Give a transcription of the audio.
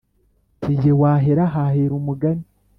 sijye wahera hahera umugani.